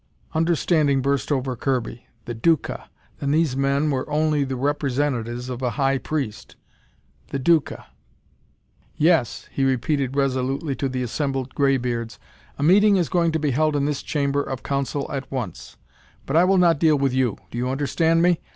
Understanding burst over Kirby. The Duca! Then these men were only the representatives of a High Priest, the Duca! "Yes," he repeated resolutely to the assembled greybeards, "a meeting is going to be held in this chamber of council at once. But I will not deal with you! Do you understand me?